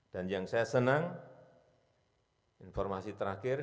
dan yang saya senang informasi terakhir